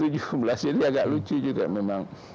jadi agak lucu juga memang